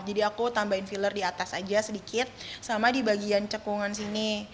jadi aku tambahin filler di atas aja sedikit sama di bagian cekungan sini